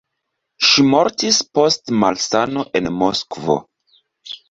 Ŝi mortis post malsano en Moskvo.